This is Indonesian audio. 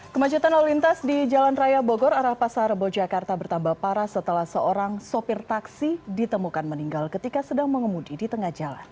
kemacetan lalu lintas di jalan raya bogor arah pasar bojakarta bertambah parah setelah seorang sopir taksi ditemukan meninggal ketika sedang mengemudi di tengah jalan